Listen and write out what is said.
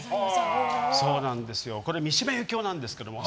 三島由紀夫なんですけど。